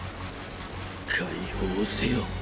解放せよ。